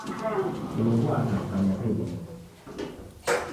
Kulow'ua kavika miaka ilinga?.